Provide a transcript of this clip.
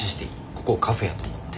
ここをカフェやと思って。